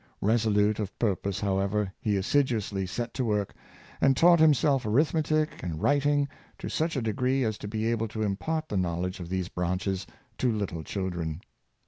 Resolute of purpose however, he assiduously set to work, and taught him self arithmetic and writing to such a degree as to be able to impart the knowledge of these branches to lit tle children.